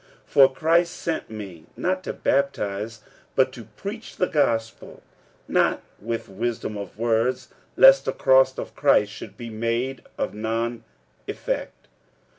46:001:017 For Christ sent me not to baptize, but to preach the gospel: not with wisdom of words, lest the cross of Christ should be made of none effect.